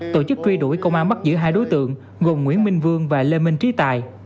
tổ chức truy đuổi công an bắt giữ hai đối tượng gồm nguyễn minh vương và lê minh trí tài